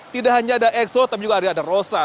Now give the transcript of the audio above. tidak hanya ada exo tapi juga ada rosa